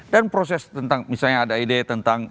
dan proses tentang misalnya ada ide tentang